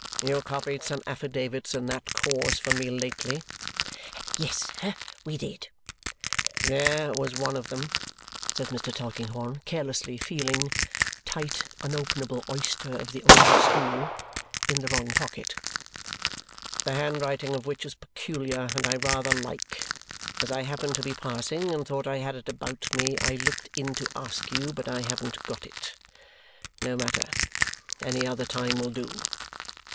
"You copied some affidavits in that cause for me lately." "Yes, sir, we did." "There was one of them," says Mr. Tulkinghorn, carelessly feeling tight, unopenable oyster of the old school! in the wrong coat pocket, "the handwriting of which is peculiar, and I rather like. As I happened to be passing, and thought I had it about me, I looked in to ask you but I haven't got it. No matter, any other time will do.